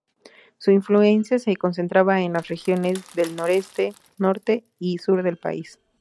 Su influencia se concentraba en las regiones del noreste, norte y sur del país.